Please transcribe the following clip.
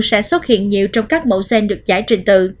nó sẽ xuất hiện nhiều trong các mẫu gen được giải trình tự